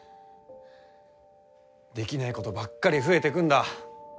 できないことばっかり増えてくんだ。